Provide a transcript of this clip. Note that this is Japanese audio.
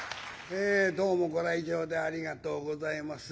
えどうもご来場でありがとうございます。